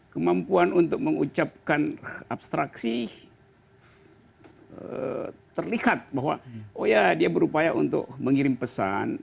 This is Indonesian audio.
kemampuan untuk mengucapkan abstraksi terlihat bahwa oh ya dia berupaya untuk mengirim pesan